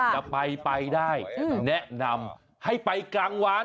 จะไปได้แนะนำให้ไปกลางวัน